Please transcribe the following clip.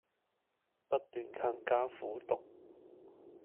不斷勤加苦讀